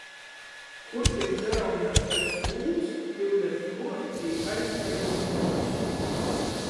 Kur tik dzeraunē kaids gūds, tiuleņ kluot tī es kai znūts.